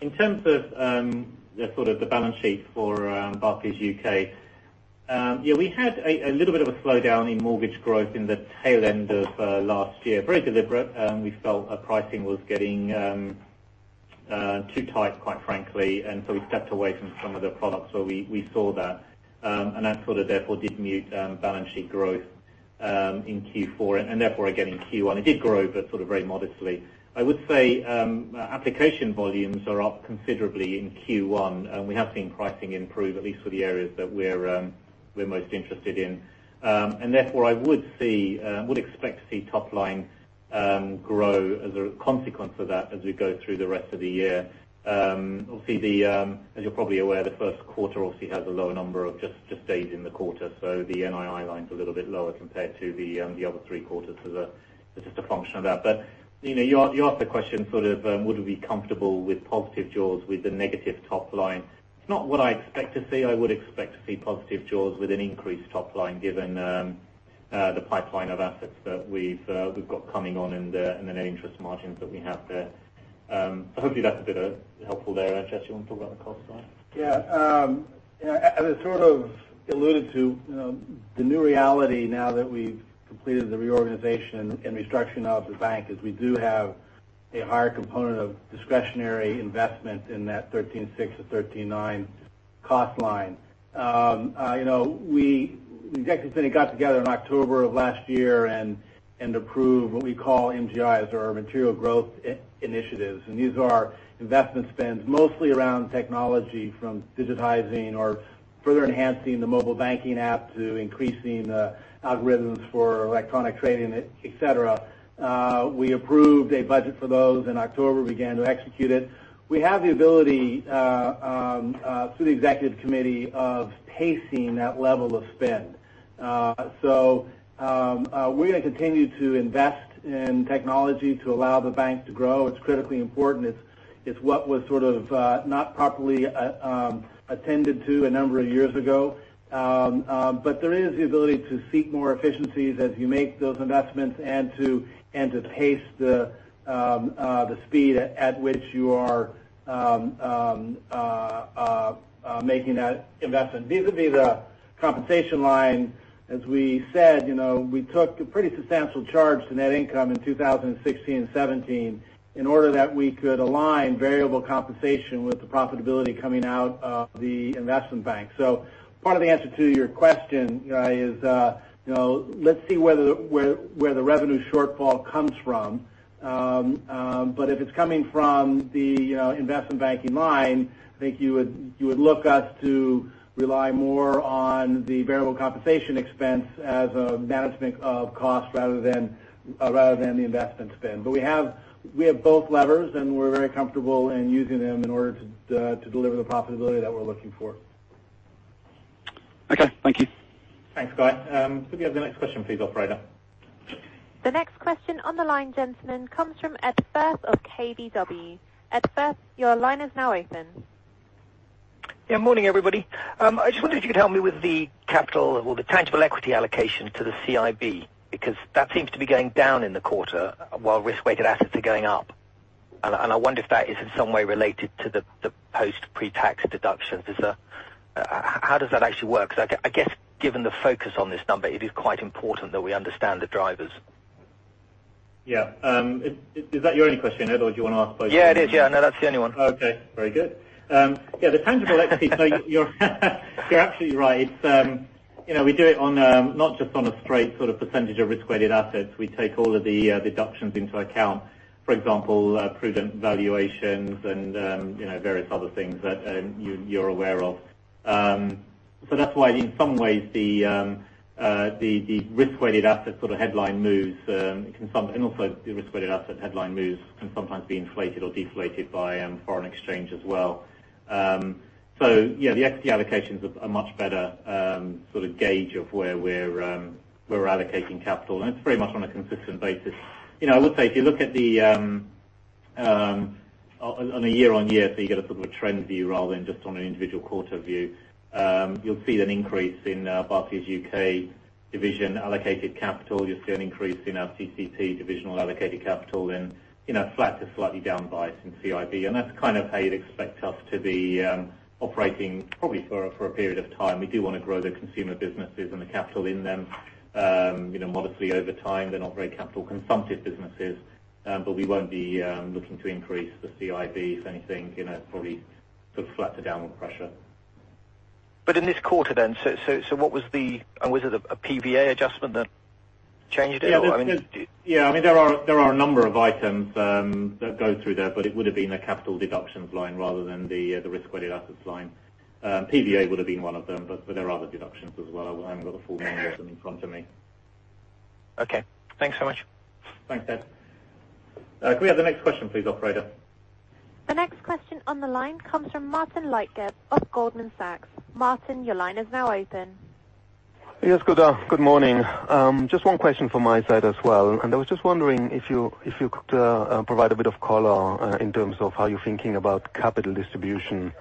[SPEAKER 3] In terms of the balance sheet for Barclays UK, we had a little bit of a slowdown in mortgage growth in the tail end of last year. Very deliberate. We felt our pricing was getting too tight, quite frankly, so we stepped away from some of the products where we saw that. That, therefore, did mute balance sheet growth in Q4, therefore again in Q1. It did grow, but very modestly. I would say application volumes are up considerably in Q1, we have seen pricing improve, at least for the areas that we're most interested in. Therefore, I would expect to see top line grow as a consequence of that as we go through the rest of the year. As you're probably aware, the first quarter obviously has a lower number of just days in the quarter. The NII line's a little bit lower compared to the other three quarters. That's just a function of that. You asked the question, would we be comfortable with positive jaws with a negative top line? It's not what I expect to see. I would expect to see positive jaws with an increased top line given the pipeline of assets that we've got coming on and the net interest margins that we have there. Hopefully that's a bit helpful there. Jes, you want to talk about the cost side?
[SPEAKER 2] As I sort of alluded to, the new reality now that we've completed the reorganization and restructuring of the bank is we do have a higher component of discretionary investment in that 13.6-13.9 cost line. The Executive Committee got together in October of last year and approved what we call MGIs, or our material growth initiatives. These are investment spends mostly around technology from digitizing or further enhancing the mobile banking app to increasing the algorithms for electronic trading, et cetera. We approved a budget for those in October, began to execute it. We have the ability through the Executive Committee of pacing that level of spend. We're going to continue to invest in technology to allow the bank to grow. It's critically important. It's what was sort of not properly attended to a number of years ago. There is the ability to seek more efficiencies as you make those investments and to pace the speed at which you are making that investment vis-a-vis the compensation line. As we said, we took a pretty substantial charge to net income in 2016 and 2017 in order that we could align variable compensation with the profitability coming out of the Investment Bank. Part of the answer to your question is let's see where the revenue shortfall comes from. If it's coming from the Investment Banking line, I think you would look at us to rely more on the variable compensation expense as a management of cost rather than the investment spend. We have both levers, and we're very comfortable in using them in order to deliver the profitability that we're looking for.
[SPEAKER 7] Okay. Thank you.
[SPEAKER 3] Thanks, Guy. Could we have the next question please, operator?
[SPEAKER 1] The next question on the line, gentlemen, comes from Ed Firth of KBW. Ed Firth, your line is now open.
[SPEAKER 8] Morning, everybody. I just wondered if you could help me with the capital or the tangible equity allocation to the CIB, because that seems to be going down in the quarter while risk-weighted assets are going up. I wonder if that is in some way related to the post pre-tax deductions. How does that actually work? Because I guess given the focus on this number, it is quite important that we understand the drivers.
[SPEAKER 3] Yeah. Is that your only question, Ed, or do you want to ask both?
[SPEAKER 8] Yeah, it is. Yeah, no, that's the only one.
[SPEAKER 3] Okay. Very good. Yeah, the tangible equity. You're actually right. We do it not just on a straight percentage of Risk-Weighted Assets. We take all of the deductions into account. For example, prudent valuations and various other things that you're aware of. That's why in some ways the Risk-Weighted Asset headline moves can sometimes be inflated or deflated by foreign exchange as well. Yeah, the equity allocations are a much better gauge of where we're allocating capital, and it's very much on a consistent basis. I would say if you look on a year-over-year, you get a sort of a trend view rather than just on an individual quarter view, you'll see an increase in Barclays UK Division allocated capital. You'll see an increase in our CC&P divisional allocated capital and flat to slightly down by some CIB. That's kind of how you'd expect us to be operating probably for a period of time. We do want to grow the consumer businesses and the capital in them modestly over time. They're not very capital consumptive businesses. We won't be looking to increase the CIB. If anything, probably sort of flat to downward pressure.
[SPEAKER 8] In this quarter then, was it a PVA adjustment that changed it? I mean.
[SPEAKER 3] Yeah. There are a number of items that go through there, but it would have been a capital deductions line rather than the risk-weighted assets line. PVA would have been one of them, but there are other deductions as well. I haven't got the full list of them in front of me.
[SPEAKER 8] Okay. Thanks so much.
[SPEAKER 3] Thanks, Ed. Could we have the next question please, operator?
[SPEAKER 1] The next question on the line comes from Martin Leitgeb of Goldman Sachs. Martin, your line is now open.
[SPEAKER 9] Yes. Good morning. Just one question from my side as well. I was just wondering if you could provide a bit of color in terms of how you're thinking about capital distribution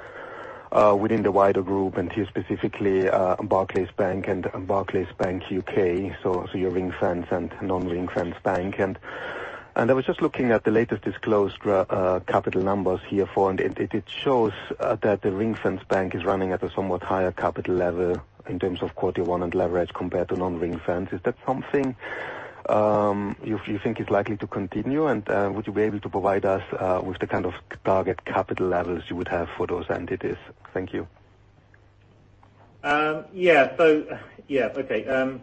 [SPEAKER 9] within the wider group and here specifically, Barclays Bank and Barclays Bank UK. So your ring-fence and non-ring-fence bank. I was just looking at the latest disclosed capital numbers here for, and it shows that the ring-fence bank is running at a somewhat higher capital level in terms of quarter one and leverage compared to non-ring-fence. Is that something you think is likely to continue? Would you be able to provide us with the kind of target capital levels you would have for those entities? Thank you.
[SPEAKER 3] Yeah. Okay.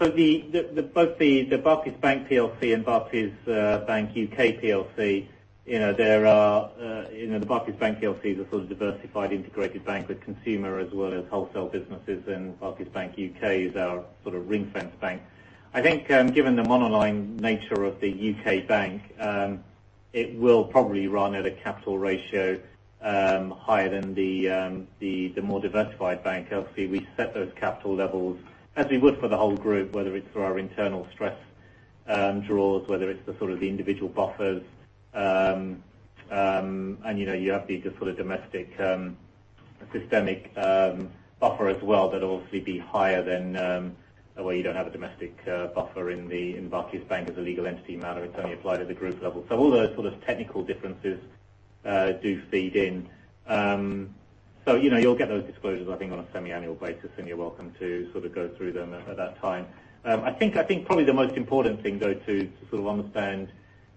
[SPEAKER 3] Both the Barclays Bank PLC and Barclays Bank UK PLC, the Barclays Bank PLC is a sort of diversified, integrated bank with consumer as well as wholesale businesses, and Barclays Bank UK is our sort of ring-fence bank. I think given the monoline nature of the U.K. bank, it will probably run at a capital ratio higher than the more diversified bank. Obviously, we set those capital levels, as we would for the whole group, whether it's through our internal stress draws, whether it's the individual buffers. You have the domestic systemic buffer as well that will obviously be higher than where you don't have a domestic buffer in Barclays Bank as a legal entity matter. It's only applied at the group level. All those sort of technical differences do feed in. You'll get those disclosures, I think, on a semi-annual basis, and you're welcome to go through them at that time. I think probably the most important thing, though, to understand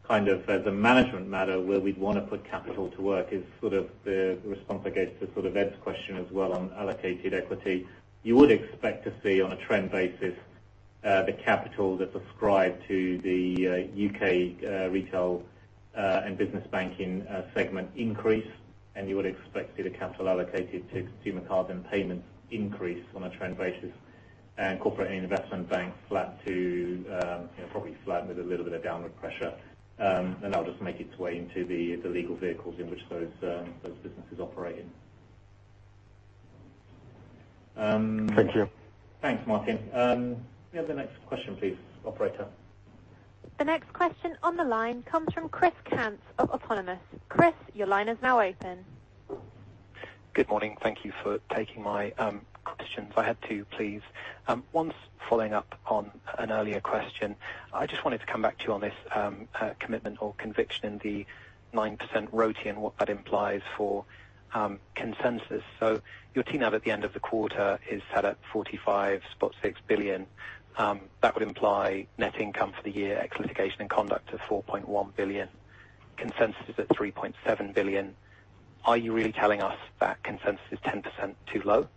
[SPEAKER 3] as a management matter where we'd want to put capital to work is the response, I guess, to Ed's question as well on allocated equity. You would expect to see on a trend basis the capital that's ascribed to the U.K. retail and business banking segment increase, and you would expect to see the capital allocated to Consumer, Cards and Payments increase on a trend basis, and Corporate and Investment Bank probably flat with a little bit of downward pressure. That will just make its way into the legal vehicles in which those businesses operate in.
[SPEAKER 9] Thank you.
[SPEAKER 3] Thanks, Martin. Can we have the next question please, operator?
[SPEAKER 1] The next question on the line comes from Chris Cant of Autonomous. Chris, your line is now open.
[SPEAKER 10] Good morning. Thank you for taking my questions. I had two, please. One's following up on an earlier question. I just wanted to come back to you on this commitment or conviction in the 9% RoTE and what that implies for consensus. Your TNAV at the end of the quarter is set at 45.6 billion. That would imply net income for the year, ex litigation and conduct of 4.1 billion. Consensus is at 3.7 billion. Are you really telling us that consensus is 10% too low?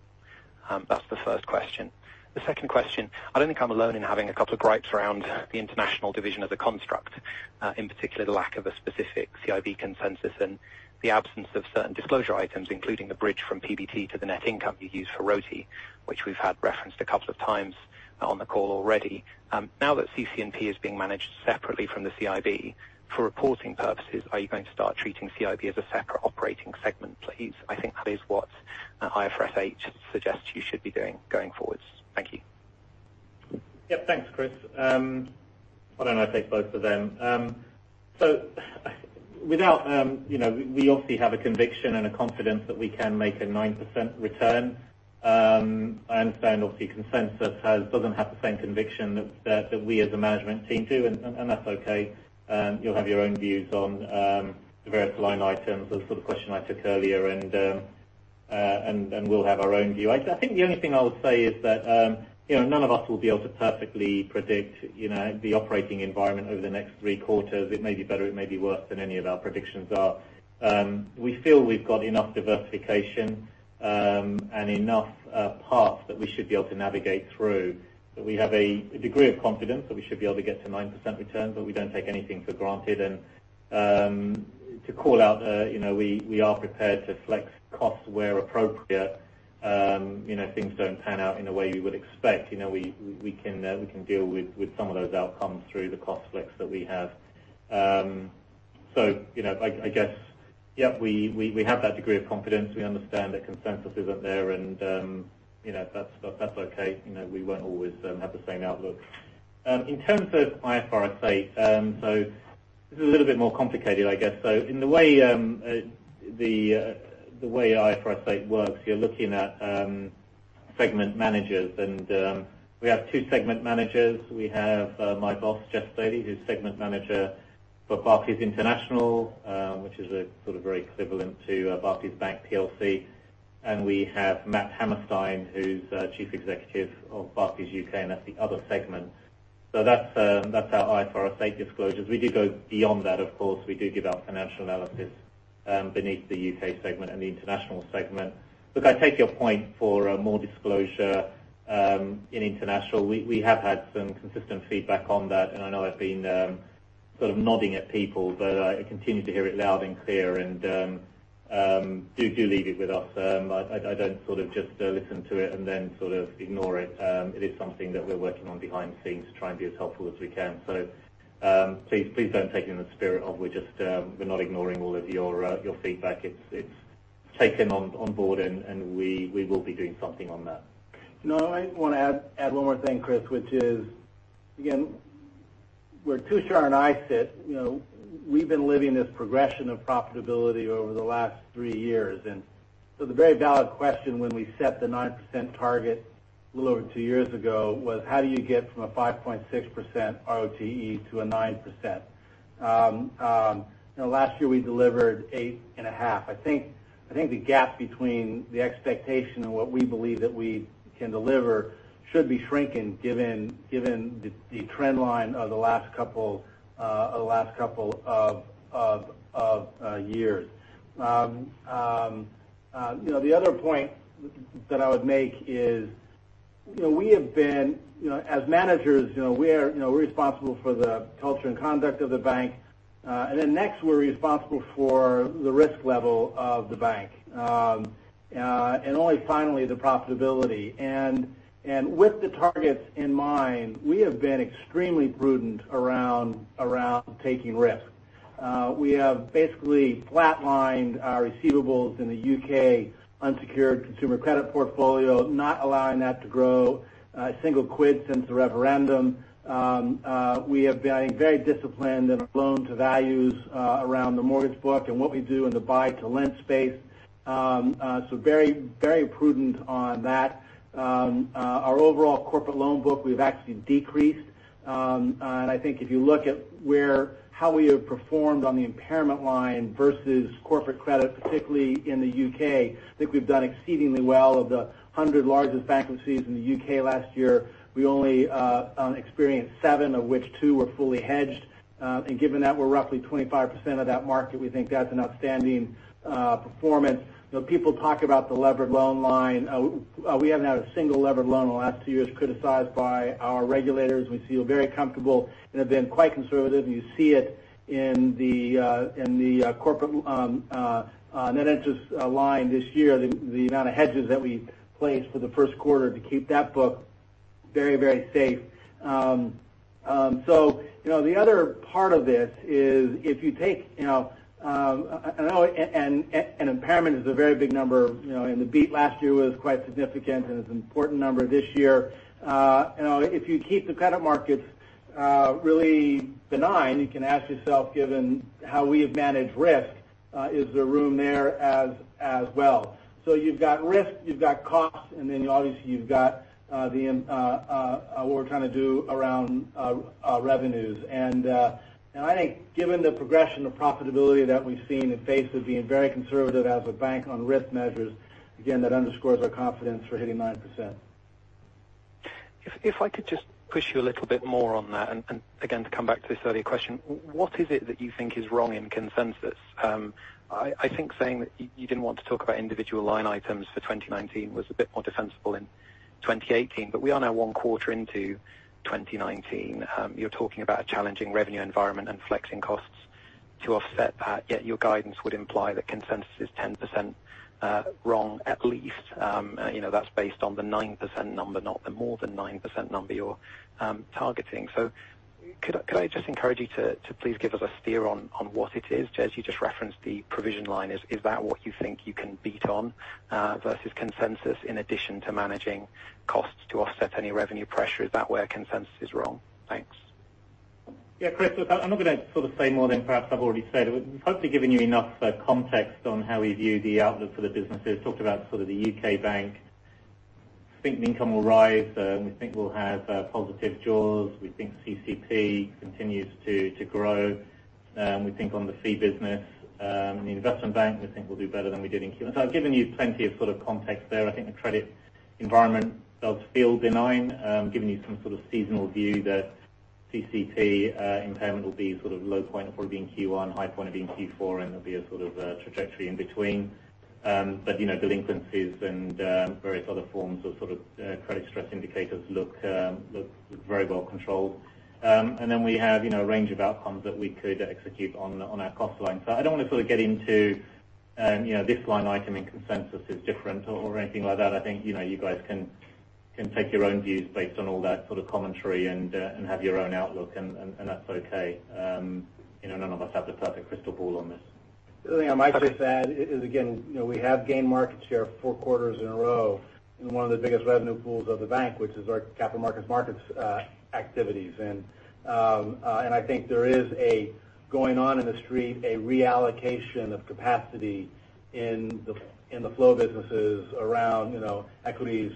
[SPEAKER 10] That's the first question. The second question, I don't think I'm alone in having a couple of gripes around the international division of the construct. In particular, the lack of a specific CIB consensus and the absence of certain disclosure items, including the bridge from PBT to the net income you use for RoTE, which we've had referenced a couple of times on the call already. Now that CC&P is being managed separately from the CIB, for reporting purposes, are you going to start treating CIB as a separate operating segment, please? I think that is what IFRS 8 suggests you should be doing going forwards. Thank you.
[SPEAKER 3] Thanks, Chris. Why don't I take both of them? We obviously have a conviction and a confidence that we can make a 9% return. I understand, obviously, consensus doesn't have the same conviction that we as a management team do, and that's okay. You'll have your own views on the various line items, the sort of question I took earlier, and we'll have our own view. I think the only thing I would say is that none of us will be able to perfectly predict the operating environment over the three quarters. It may be better, it may be worse than any of our predictions are. We feel we've got enough diversification and enough path that we should be able to navigate through, that we have a degree of confidence that we should be able to get to 9% returns, but we don't take anything for granted. To call out, we are prepared to flex costs where appropriate. If things don't pan out in the way we would expect, we can deal with some of those outcomes through the cost flex that we have. I guess, yeah, we have that degree of confidence. We understand that consensus isn't there, and that's okay. We won't always have the same outlook. In terms of IFRS 8, this is a little bit more complicated, I guess. In the way IFRS 8 works, you're looking at segment managers, and we have two segment managers. We have my boss, Jes Staley, who's Segment Manager for Barclays International, which is sort of very equivalent to Barclays Bank PLC. And we have Matt Hammerstein, who's Chief Executive of Barclays UK, and that's the other segment. So that's our IFRS 8 disclosures. We do go beyond that, of course. We do give out financial analysis beneath the Barclays UK segment and the Barclays International segment. Look, I take your point for more disclosure in Barclays International. We have had some consistent feedback on that, and I know I've been sort of nodding at people, but I continue to hear it loud and clear. Do leave it with us. I don't just listen to it and then ignore it. It is something that we're working on behind the scenes to try and be as helpful as we can. So please don't take it in the spirit of we're not ignoring all of your feedback. It's taken on board, and we will be doing something on that.
[SPEAKER 2] No, I want to add one more thing, Chris, which is, again, where Tushar and I sit, we've been living this progression of profitability over the last three years. The very valid question when we set the 9% target a little over two years ago was, how do you get from a 5.6% RoTE to a 9%? Last year we delivered 8.5%. I think the gap between the expectation and what we believe that we can deliver should be shrinking given the trend line of the last couple of years. The other point that I would make is, as managers we're responsible for the culture and conduct of the bank. Next, we're responsible for the risk level of the bank. Only finally, the profitability. With the targets in mind, we have been extremely prudent around taking risks. We have basically flat-lined our receivables in the U.K. unsecured consumer credit portfolio, not allowing that to grow a single GBP since the referendum. We have been very disciplined in our loan to values around the mortgage book and what we do in the buy-to-let space. Very prudent on that. Our overall corporate loan book, we've actually decreased. I think if you look at how we have performed on the impairment line versus corporate credit, particularly in the U.K., I think we've done exceedingly well. Of the 100 largest bankruptcies in the U.K. last year, we only experienced seven, of which two were fully hedged. Given that we're roughly 25% of that market, we think that's an outstanding performance. People talk about the levered loan line. We haven't had a single levered loan in the last two years criticized by our regulators. We feel very comfortable and have been quite conservative, and you see it in the corporate net interest line this year, the amount of hedges that we placed for the first quarter to keep that book very safe. The other part of this is I know an impairment is a very big number, and the beat last year was quite significant, and it's an important number this year. If you keep the credit markets really benign, you can ask yourself, given how we have managed risk, is there room there as well? You've got risk, you've got costs, and then obviously you've got what we're trying to do around revenues. I think given the progression of profitability that we've seen in the face of being very conservative as a bank on risk measures, again, that underscores our confidence for hitting 9%.
[SPEAKER 10] If I could just push you a little bit more on that, and again, to come back to this earlier question, what is it that you think is wrong in consensus? I think saying that you didn't want to talk about individual line items for 2019 was a bit more defensible in 2018. We are now one quarter into 2019. You're talking about a challenging revenue environment and flexing costs to offset that, yet your guidance would imply that consensus is 10% wrong, at least. That's based on the 9% number, not the more than 9% number you're targeting. Could I just encourage you to please give us a steer on what it is? Jes, you just referenced the provision line. Is that what you think you can beat on versus consensus in addition to managing costs to offset any revenue pressure? Is that where consensus is wrong? Thanks.
[SPEAKER 3] Yeah, Chris, look, I'm not going to say more than perhaps I've already said. Hopefully, I've given you enough context on how we view the outlook for the businesses. We talked about the U.K. bank. I think net income will rise. We think we'll have positive Jaws. We think CC&P continues to grow. We think on the fee business in the investment bank, we think we'll do better than we did in Q1. I've given you plenty of context there. I think the credit environment does feel benign. I've given you some sort of seasonal view that CC&P impairment will be low point of probably in Q1, high point of it in Q4, and there'll be a trajectory in between. Delinquencies and various other forms of credit stress indicators look very well controlled. We have a range of outcomes that we could execute on our cost line. I don't want to get into this one item in consensus is different or anything like that. I think you guys can take your own views based on all that commentary and have your own outlook, and that's okay. None of us have the perfect crystal ball on this.
[SPEAKER 2] The other thing I might just add is, again, we have gained market share four quarters in a row in one of the biggest revenue pools of the bank, which is our capital markets activities. I think there is, going on in the Street, a reallocation of capacity in the flow businesses around equities,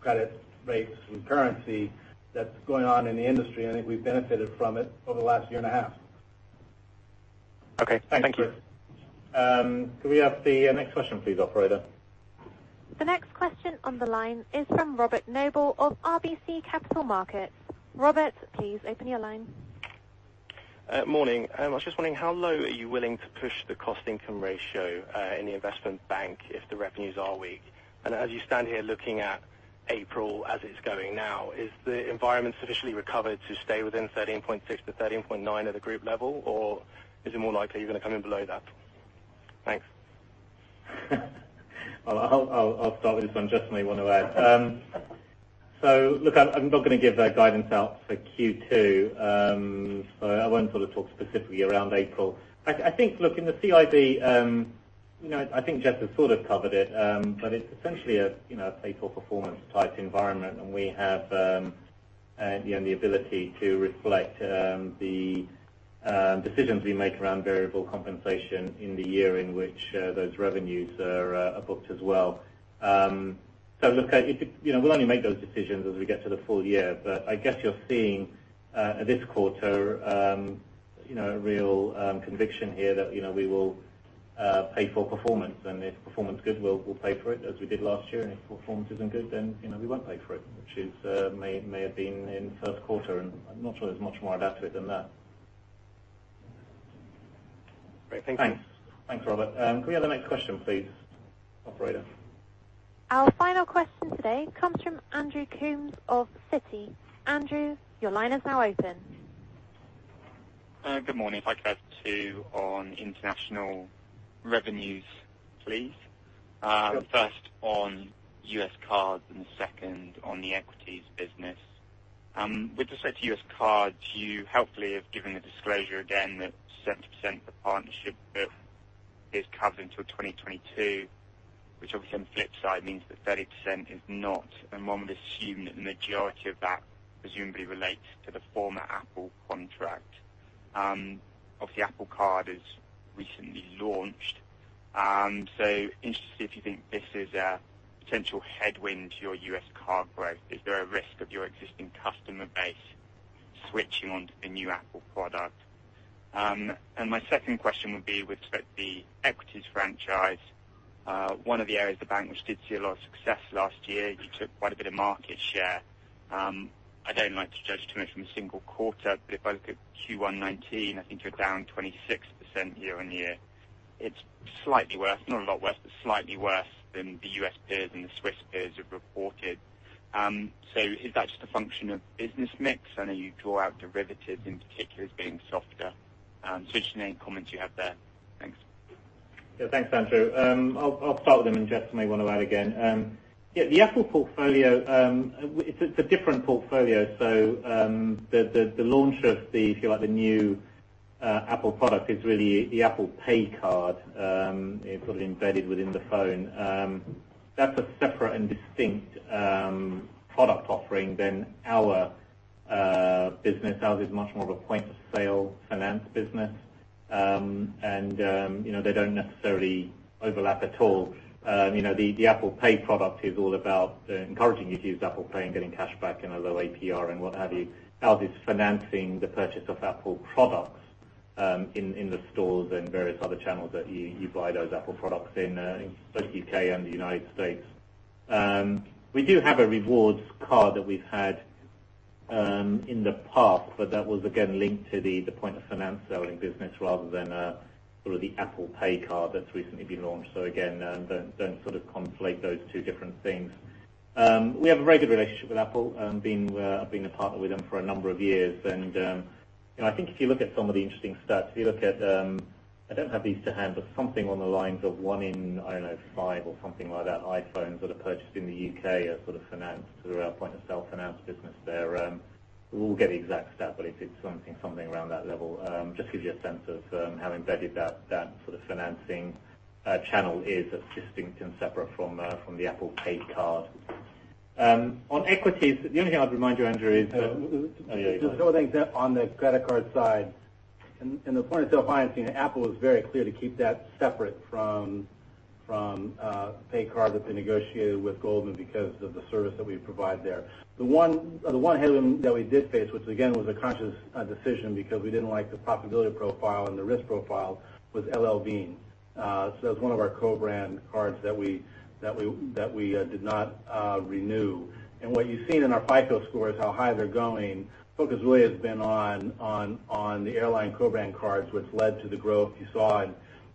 [SPEAKER 2] credit rates, and currency that's going on in the industry, and I think we've benefited from it over the last year and a half.
[SPEAKER 10] Okay. Thank you.
[SPEAKER 3] Thanks, Chris. Could we have the next question please, operator?
[SPEAKER 1] The next question on the line is from Robert Noble of RBC Capital Markets. Robert, please open your line.
[SPEAKER 11] Morning. I was just wondering how low are you willing to push the cost income ratio in the investment bank if the revenues are weak? As you stand here looking at April as it's going now, is the environment sufficiently recovered to stay within 13.6%-13.9% at the group level? Or is it more likely you're going to come in below that? Thanks.
[SPEAKER 3] Well, I'll start with this one. Jes may want to add. Look, I'm not going to give guidance out for Q2. I won't talk specifically around April. I think, look, in the CIB, I think Jes has sort of covered it. It's essentially a pay for performance type environment, and we have the ability to reflect the decisions we make around variable compensation in the year in which those revenues are booked as well. Look, we'll only make those decisions as we get to the full year. I guess you're seeing this quarter a real conviction here that we will pay for performance. If performance is good, we'll pay for it as we did last year. If performance isn't good, we won't pay for it, which may have been in the first quarter. I'm not sure there's much more to add to it than that.
[SPEAKER 2] Great. Thank you.
[SPEAKER 3] Thanks, Robert. Can we have the next question, please, operator?
[SPEAKER 1] Our final question today comes from Andrew Coombs of Citi. Andrew, your line is now open.
[SPEAKER 12] Good morning. If I could, 2 on international revenues, please.
[SPEAKER 3] Sure.
[SPEAKER 12] First on U.S. cards, second on the equities business. With respect to U.S. cards, you helpfully have given the disclosure again that 70% of the partnership is covered until 2022, which obviously on the flip side means that 30% is not. One would assume that the majority of that presumably relates to the former Apple contract. Obviously, Apple Card has recently launched, so interested if you think this is a potential headwind to your U.S. card growth. Is there a risk of your existing customer base switching onto the new Apple product? My second question would be with respect to the equities franchise, one of the areas of the bank which did see a lot of success last year. You took quite a bit of market share. I don't like to judge too much from a single quarter, but if I look at Q1 2019, I think you're down 26% year-over-year. It's slightly worse, not a lot worse, but slightly worse than the U.S. peers and the Swiss peers have reported. Is that just a function of business mix? I know you draw out derivatives in particular as being softer. Just any comments you have there. Thanks.
[SPEAKER 3] Yeah, thanks, Andrew. I'll start with them, and Jes may want to add again. Yeah, the Apple portfolio, it's a different portfolio. The launch of the new Apple product is really the Apple Pay Card. It's got it embedded within the phone. That's a separate and distinct product offering than our business. Ours is much more of a point-of-sale finance business. They don't necessarily overlap at all. The Apple Pay product is all about encouraging you to use Apple Pay and getting cashback and a low APR and what have you. Ours is financing the purchase of Apple products in the stores and various other channels that you buy those Apple products in, both U.K. and the United States. We do have a rewards card that we've had in the past, but that was again, linked to the point-of-finance selling business rather than the Apple Pay Card that's recently been launched. Again, don't conflate those two different things. We have a very good relationship with Apple, being a partner with them for a number of years. I think if you look at some of the interesting stats, if you look at I don't have these to hand, but something on the lines of one in five or something like that, iPhones that are purchased in the U.K. are financed through our point-of-sale finance business there. We'll get the exact stat, but it's something around that level. Just gives you a sense of how embedded that sort of financing channel is, as distinct and separate from the Apple Pay Card. On equities, the only thing I would remind you, Andrew, is-
[SPEAKER 2] Just one thing on the credit card side. In the point-of-sale financing, Apple is very clear to keep that separate from Pay Card that they negotiated with Goldman because of the service that we provide there. The one headwind that we did face, which again, was a conscious decision because we didn't like the profitability profile and the risk profile, was L.L.Bean. That was one of our co-brand cards that we did not renew. What you've seen in our FICO scores, how high they're going, focus really has been on the airline co-brand cards, which led to the growth you saw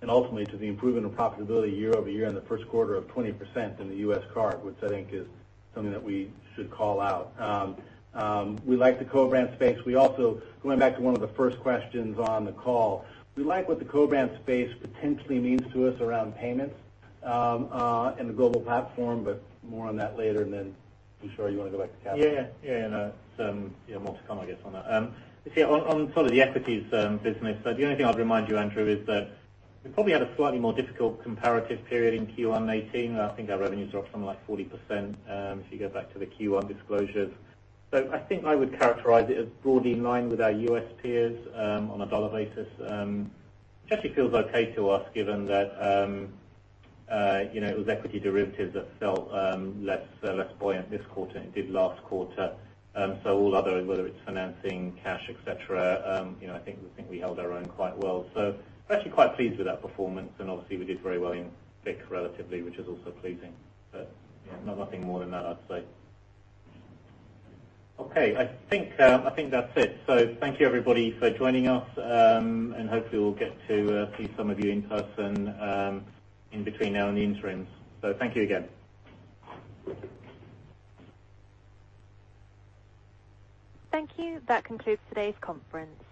[SPEAKER 2] and ultimately to the improvement of profitability year-over-year in the first quarter of 20% in the U.S. card, which I think is something that we should call out. We like the co-brand space. We also, going back to one of the first questions on the call, we like what the co-brand space potentially means to us around payments in the global platform, but more on that later. Then I'm sure you want to go back to Tushar.
[SPEAKER 3] Yeah. More to come, I guess, on that. On the equities business, the only thing I'd remind you, Andrew, is that we probably had a slightly more difficult comparative period in Q1 2018. I think our revenues were up something like 40%, if you go back to the Q1 disclosures. I think I would characterize it as broadly in line with our U.S. peers on a dollar basis. Which actually feels okay to us given that it was equity derivatives that felt less buoyant this quarter than it did last quarter. All other, whether it's financing, cash, et cetera, I think we held our own quite well. We're actually quite pleased with that performance. Obviously, we did very well in FICC relatively, which is also pleasing. Nothing more than that, I'd say. Okay. I think that's it. Thank you everybody for joining us, and hopefully we'll get to see some of you in person in between now and the interims. Thank you again.
[SPEAKER 1] Thank you. That concludes today's conference.